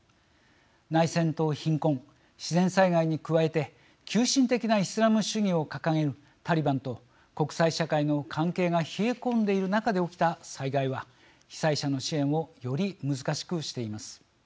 内戦と貧困、自然災害に加えて急進的なイスラム主義を掲げるタリバンと国際社会の関係が冷え込んでいる中で起きた災害は被災者の支援をより難しくしています。